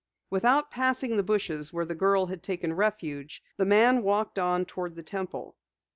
Without passing the bushes where the girl had taken refuge, the man walked on toward the Temple.